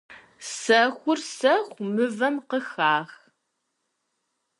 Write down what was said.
Сэхур сэху мывэм къыхах.